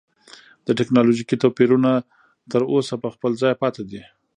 دا ټکنالوژیکي توپیرونه تر اوسه په خپل ځای پاتې دي.